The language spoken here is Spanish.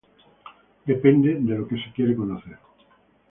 Depende de lo que se quiere conocer.